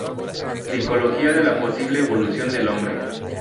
Psicología de la posible evolución del hombre